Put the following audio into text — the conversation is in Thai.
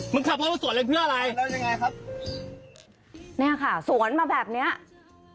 มึงพาสวนเล่นมาเพื่อ